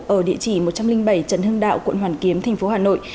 ở địa chỉ một trăm linh bảy trần hưng đạo quận hoàn kiếm tp hà nội